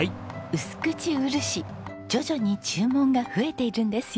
うすくちうるし徐々に注文が増えているんですよ。